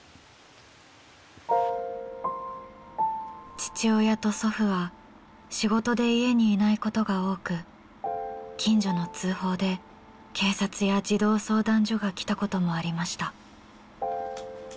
父親と祖父は仕事で家にいないことが多く近所の通報で警察や児童相談所が来たこともありました。